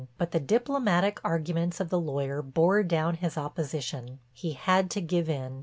But the diplomatic arguments of the lawyer bore down his opposition; he had to give in.